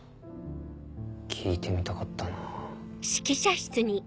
聴いてみたかったなぁ。